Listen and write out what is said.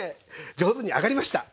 上手に揚がりました。